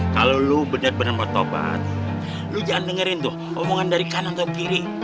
kalau lo bener bener mau tobat lo jangan dengerin tuh omongan dari kanan ke kiri